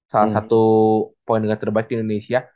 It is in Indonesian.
salah satu poin dengan terbaik di indonesia